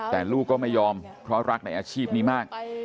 แต่ลูกก็ไม่ยอมเพราะรักในอาชีพนี้มาก